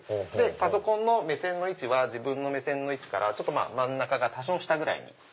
パソコンの目線の位置は自分の目線の位置から真ん中が多少下ぐらいに。